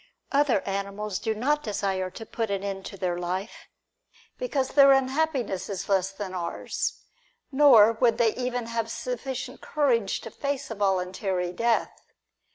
Other animals do not desire to put an end to their life, because their unhappiness is less than ours ; nor would they even have sufficient courage to face a voluntary death.